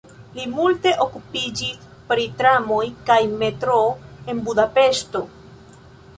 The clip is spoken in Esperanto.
Li multe okupiĝis pri tramoj kaj metroo en Budapeŝto.